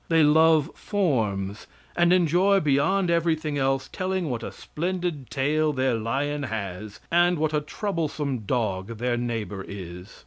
They love forms, and enjoy, beyond everything else, telling what a splendid tail their lion has, and what a troublesome dog their neighbor is.